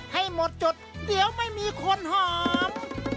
ให้หมดจดเดี๋ยวไม่มีคนหอม